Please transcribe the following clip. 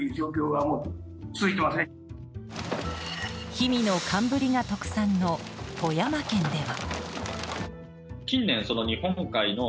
氷見の寒ブリが特産の富山県では。